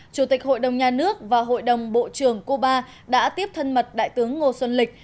chủ tịch hội đồng nhà nước và hội đồng bộ trưởng cuba đã tiếp thân mật đại tướng ngô xuân lịch